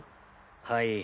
はい。